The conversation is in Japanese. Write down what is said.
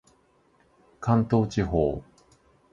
関東地方